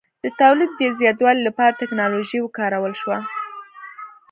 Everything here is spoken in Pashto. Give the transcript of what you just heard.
د تولید د زیاتوالي لپاره ټکنالوژي وکارول شوه.